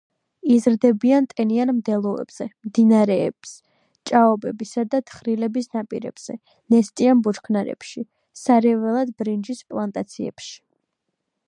იზრდებიან ტენიან მდელოებზე, მდინარეების, ჭაობებისა და თხრილების ნაპირებზე, ნესტიან ბუჩქნარებში, სარეველად ბრინჯის პლანტაციებში.